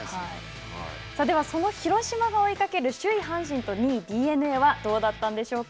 では、その広島が追いかける首位阪神とする２位ＤｅＮＡはどうだったんでしょうか。